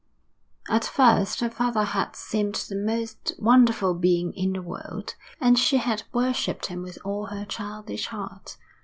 At first her father had seemed the most wonderful being in the world, and she had worshipped him with all her childish heart.